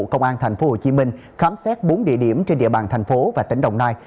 công an tp hcm khám xét bốn địa điểm trên địa bàn thành phố và tỉnh đồng nai